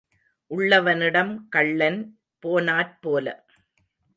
உள்ளவனிடம் கள்ளன் போனாற் போல.